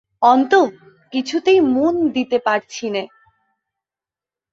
অন্তু, কিছুতেই মন দিতে পারছি নে।